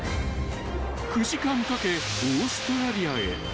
［９時間かけオーストラリアへ］